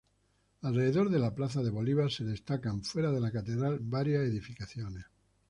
Alrededor de la plaza de Bolívar se destacan, fuera de la catedral, varias edificaciones.